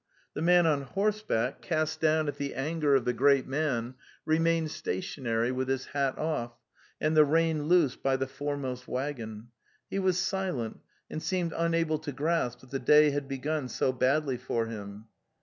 The man on horseback, cast down at the anger of the great man, remained stationary, with his hat off, and the rein loose by the foremost waggon; he was silent, and seemed unable to grasp that the day had begun so badly for him.